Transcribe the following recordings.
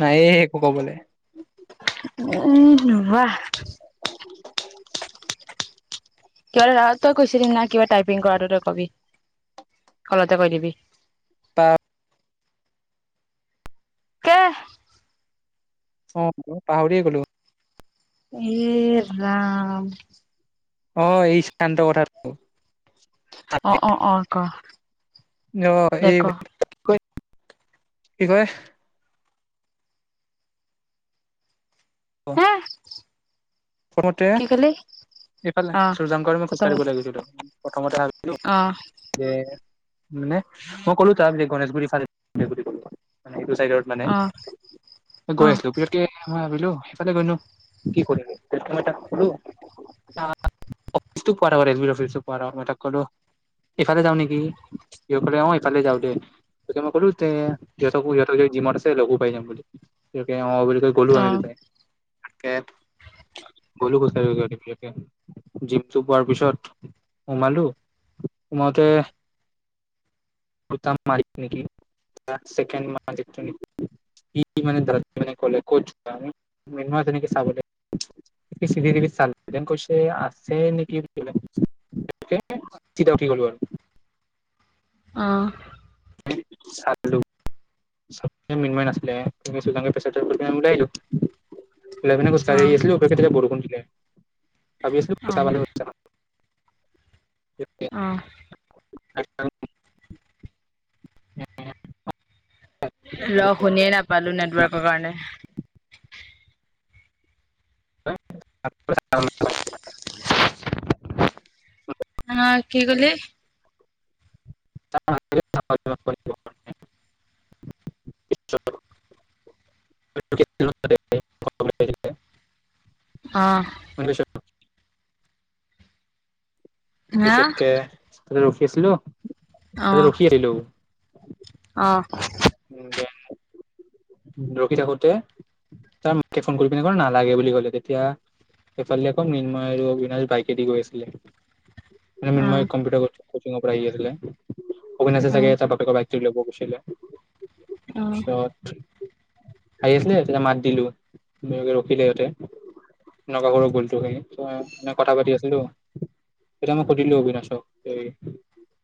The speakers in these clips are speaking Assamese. নাই এই একো কবলৈ উ নুৱোৰা উ কেৰা তই কৈছিলি না কিবা টাইপিং কৰাটো তই কবি কলতে কৈ দিবি পা ক অ মই পাহৰিয়ে গ'লো এ ৰাম অ এই শান্ত কথাৰটো অ অ অ ক অ দে এই ক কি কয় অ হে প্ৰথমতে কি কলি ইফালে অ চজানকাৰ মই খোজ কঢ়িব প্ৰথমতে ল গৈছিলো প্ৰথমতে ভাবিলো অ যে মে মই কলো ত গণেশগুৰি ফালে চডত মানে অ অ অ গৈ আছিলো বিশকে মই হেল হেইফালে গৈ নো কি কৰিব কোফালে যাওঁ নেকি কলে অফালে যা দে ক জিম আছে লগঘো পাই যাম বুলি অ গ'লো আমি দুটাই তাকে গলো ক জিমটো পোৱাৰ পিছত সমালো হো মাওতে দু মাৰি নেকি ক'ত ম নেকি চাব ল চিচি তিভি চালোঁ কৈছে আছে নেকি বুলিলে চা উঠি গলো আৰু অহ চালোঁ মিন্ময় নাচিলে দোকানৰ পইচাটো আমি দুটাই লেভেনে অ খুজকাৰি আহি আছিলো বৰষুণ দি দিলে লে [unintelligible] অহঁ এক উম ৰ শুনিয়ে নাপালো নেটৱৰ্কৰ কাৰণে [unintelligible] অ কি কলি [unintelligible] আহ হা পিছতকে তে ৰখি আছিলো অ ত ৰখি আহিলোঁ অ উম দে ৰখি থাকোতে তাৰ মাকে ফোন কৰি পিনে ক নালাগে বুলি কলে তেতিয়া এফালে আকৌ নিন্ময় আৰু অবিনাশ বাইকেদি গৈ আছিলে মই অ মিন্ময় কম্পিউটাৰ কৰো কোচিঙৰ পৰা আহি আছিলে অভিনাশে উ চাগে তাৰ বাপেকৰ বাইক লব গৈছিলে উ চত আহি আছিলে তেতিয়া মাত দিলোে ৰখিলে সিহঁতে এনেকুৱা কৰ গলটো খি কথা পাতি আছিলো তেতিয়া মই সুধিলো অবিনাশক এই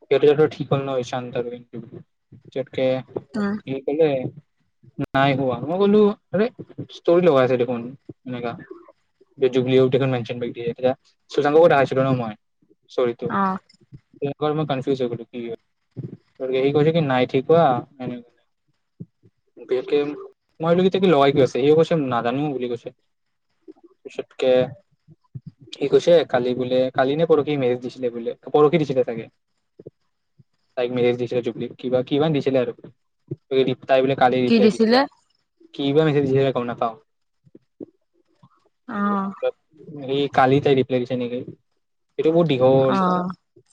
সিহতে ঠিক হল ন চান আৰু উ কি কলে নাই কোৱা মই কলো আৰে ষ্টোৰী লগাই আছে দেখোন মেঘা অধিকাৰ নাই সুজান মুখন আহিছিলোঁ ন মই চৰিটো অ সেইকাৰনে কনফিউজ হৈ গলো কি নাই ঠিক হোৱা মই বোলো সি লগাই কি আছে সিও কৈছে নাজানো বুলি কৈছে পিছতকে সি কৈছে কালি বোলে কালি নে পৰহি মেজ দিছিলে বোলে পৰহি দিছিলে চাগে তাইক মেৰেজ দিছিলে জুবলিক কিবা কিমান দিছিলে আৰু তাই বোলে কালি কি ৰিপ্লাই দিছে দিছিলে কিবা গম নেপাওঁ অ [unintelligible] হেৰি কালি তাই ৰিপ্লাই দিছে নেকি এইটো বোৰ দীঘ'ল অ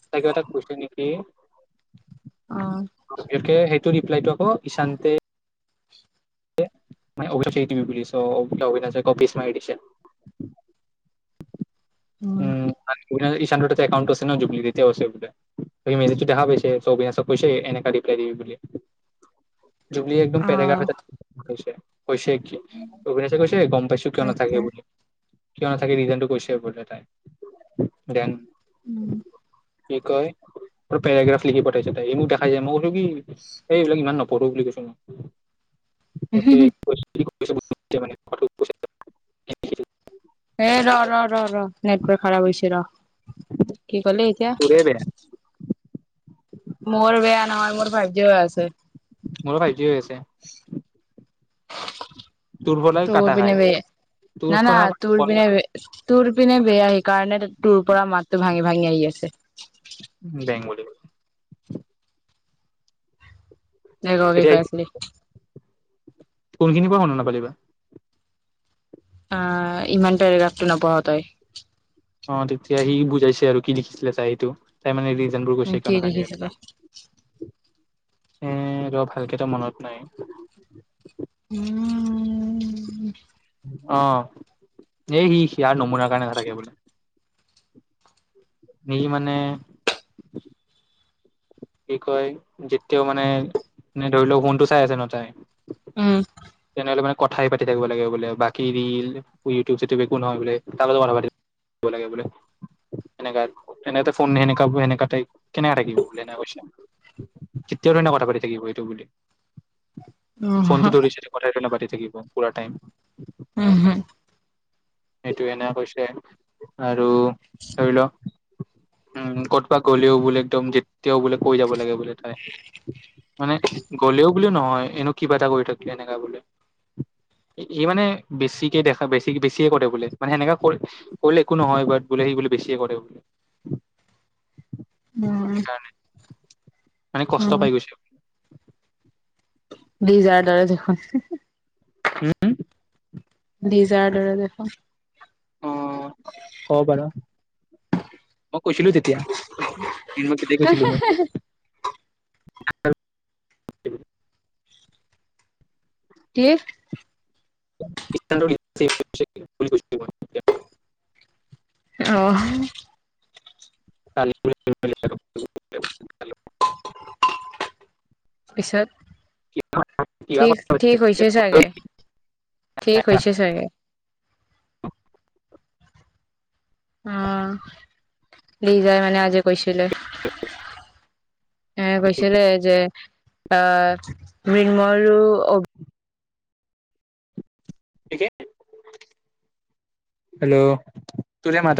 তাই কিবা এটা কৈছিল নেকি অ এইটো ৰিপলাইটো আকৌ ইছানতে অভিতক সেই তুমি বুলি চউ অভিনাছে পিছ মাৰি দিছে উ উম আপোনাৰ তাৰ একাউন টো আছে ন জুবলীৰ এতিয়াও আছে বোলে মেছেজ এনেকা ৰিপ্লাই কৰে বুলি জুবলী একদম অ পেৰেগ্ৰাফ এটা হৈছে কৈছে কি অবিনাশে কৈছে গম পাইছো কিয় নাথাকে আচ্ছা বুলি কিয় নাথাকে ৰিজনটো কৈছে তাই জান উম কি কয় প্ৰেৰাগ্ৰাফ লিখি পথাইছে তাই মোক দেখাইছে এইবিলাক ইমান ন নহ উ হ হু ম হেই ৰ ৰ ৰ নেটৰ্ক খাৰাব হৈছে ৰ কি কলি এতিয়া তোৰে বেয়া মোৰ বেয়া নহয় মোৰ ফাইভ জি হৈ আছে মোৰো ফাইভ জি হৈ আছে পৰাই তোৰ কাটা খাই পিনে বেয়া তোৰ না না পৰা তোৰ পিনে বেয়া তোৰ পিনে বেয়া আহে কাৰণে তোৰ পৰা মাতটো ভাঙি ভাঙি আহি আছে বেং বুলি নে তেতিয়া কাটিছিলি কোনখিনিৰ পৰা শুনি নাপালি বা আহ ইমানট ৰে এৰাটো নপঢ়ও তই অ তেতিয়া সি বুজাইছে আৰু কি লখিছিলে তাই সেইটো তাই মানে বোৰ উ কৈছে কিয় কি নাথাকে দেখিছিল এনেকা এ ৰ ভালকে এতিয়া মনত নাই উম অ এই সি ইয়াৰ নমুনাৰ কাৰণে নাথাকে বোলে সি মানে কি কয় যেতিয়াও মানে ধৰি লওক ফোনটো চাই আছে ন তাই উম তেনেহলে মানে কথাই পাতি থাকিব লাগে বোলে বাকী ৰিল ইউটিউব চিউটোব একো নহয় বোলে তাৰ লগত কথা পাতি থাকিব লাগে বোলে এনেকে ফোন সেনে সেনে কেনে থাকিব বো কৈ কেনেধৰণে ধৰণে কথা পাতি থাকিব এইটো উ হ তাই কেনেকে পাতি থাকিব পোৰা টাইম উম সেইটো এনে কৈছে হয় আৰু ধৰি ল উম ক'তবাত গ'লেও বোলে একদম যেতিয়াও বোলে কৈ যাব লাগে বোলে তাই মানে গ'লেও বুলিও নহয় এনো কিবা এটা কৰি থাকিলে এক সি মানে বেছিকে দেখা বেছিক বেছিয়ে কৰে বোলে মানে সেনেকা কৰিলে একো নহয়ব বোলে সি বোলে বেছিয়ে কৰে বোলে অ সেইকাৰণে মানে কষ্ট পাই গৈছে দিজাৰ দৰে দেখোন উম দিজাৰডৰে দেখোন। ক'ব পাৰ মই কৈছিলো তেতিয়া এদিন মই কেতিয়া কৈছিলো মই হেল কি? [unintelligible] অহ [unintelligible] পিছত ঠিক ঠিক হৈছে চাগে ঠিক হৈছে চাগে। অ লৈ যায় মানে আজি কৈছিলে এ কৈছিলে যে অ মিন্মই আৰু হেল্ল' তুধে মাতা